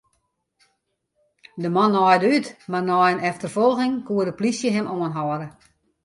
De man naaide út, mar nei in efterfolging koe de polysje him oanhâlde.